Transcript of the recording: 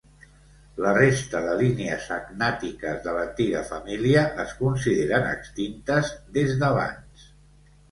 La resta de línies agnàtiques de l'antiga família es consideren extintes des d'abans.